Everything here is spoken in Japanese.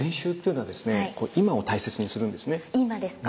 今ですか？